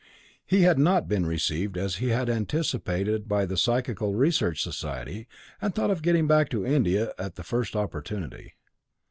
He had not been received as he had anticipated by the Psychical Research Society, and thought of getting back to India at the first opportunity.